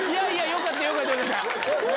よかったよかったよかった。